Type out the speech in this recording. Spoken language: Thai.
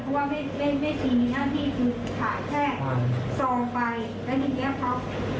ใช่เพราะว่าเม่คุณแม่ชีมีหน้าที่ขายแค่ซองไปและทีเนี้ยเขาสายมูลที่เขาโอนเงินมา